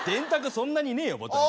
そんなにねえよボタン。